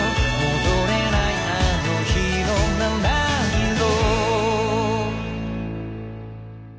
「戻れないあの日の七色」